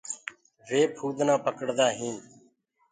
وي ڀمڀڻيونٚ پڙدآ هينٚ۔